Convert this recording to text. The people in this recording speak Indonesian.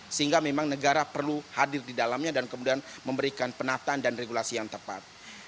sehingga memang negara perlu hadir di dalamnya dan kemudian memberikan penataan dan regulasi yang tepat